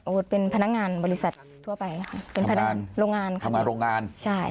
โอ๊ตเป็นพนักงานวริษัททั่วไปเป็นพนักงานโรงงาน